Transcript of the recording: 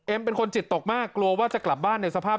เป็นคนจิตตกมากกลัวว่าจะกลับบ้านในสภาพ